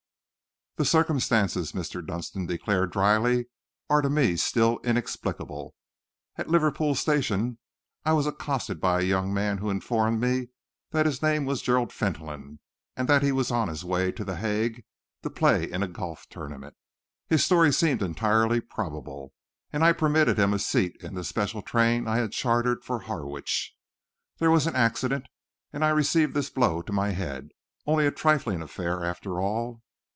"The circumstances," Mr. Dunster declared drily, "are to me still inexplicable. At Liverpool Street Station I was accosted by a young man who informed me that his name was Gerald Fentolin, and that he was on his way to The Hague to play in a golf tournament. His story seemed entirely probable, and I permitted him a seat in the special train I had chartered for Harwich. There was an accident and I received this blow to my head only a trifling affair, after all.